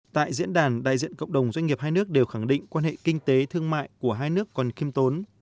tại diễn đàn đại diện cộng đồng doanh nghiệp hai nước đều khẳng định quan hệ kinh tế thương mại của hai nước còn kiêm tốn